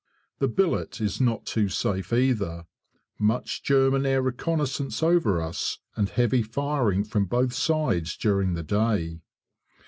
The billet is not too safe either. Much German air reconnaissance over us, and heavy firing from both sides during the day.